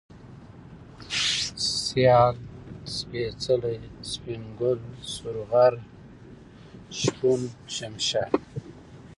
سيال ، سپېڅلى ، سپين گل ، سورغر ، شپون ، شمشاد